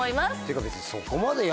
別に。